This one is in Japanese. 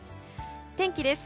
天気です。